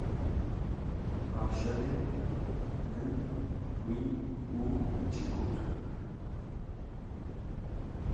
Pa şevê din wî û çi got